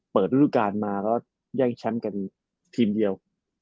เปิดรุดการณ์มาแล้วแย่งแชมป์กันทีมเดียว